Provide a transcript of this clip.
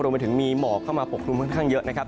รวมไปถึงมีหมอกเข้ามาปกครุมค่อนข้างเยอะนะครับ